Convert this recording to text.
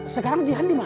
sekarang cihan di mana